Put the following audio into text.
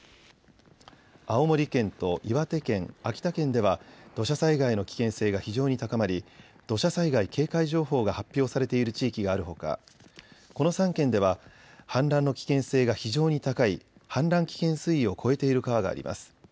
青森県と岩手県、秋田県では土砂災害の危険性が非常に高まり土砂災害警戒情報が発表されている地域があるほか、この３県では氾濫の危険性が非常に高い氾濫危険水位を超えている川があります。